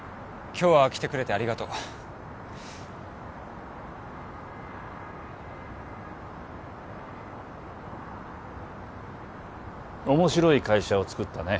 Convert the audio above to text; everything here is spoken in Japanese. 今日は来てくれてありがとう面白い会社をつくったね